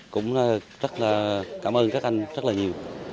cũng rất là cảm ơn các anh rất là nhiều